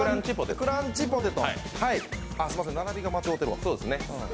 クランチポテト。